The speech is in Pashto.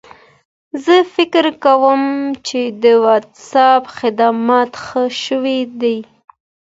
زه فکر کوم چې د وټساپ خدمات ښه شوي دي.